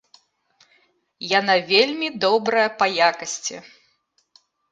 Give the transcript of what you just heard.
Яна вельмі добрая па якасці.